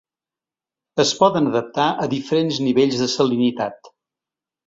Es poden adaptar a diferents nivells de salinitat.